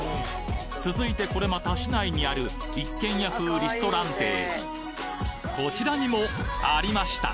続いてこれまた市内にある一軒家風リストランテへこちらにもありました。